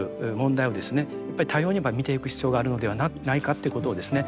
やっぱり多様に見ていく必要があるのではないかということをですね